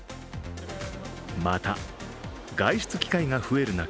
また、外出機会が増える中、